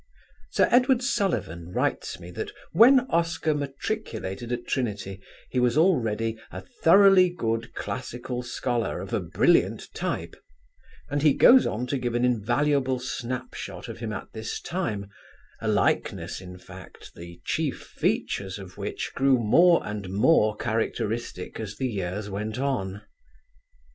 Sir Edward Sullivan writes me that when Oscar matriculated at Trinity he was already "a thoroughly good classical scholar of a brilliant type," and he goes on to give an invaluable snap shot of him at this time; a likeness, in fact, the chief features of which grew more and more characteristic as the years went on.